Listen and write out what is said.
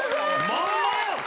まんまやん！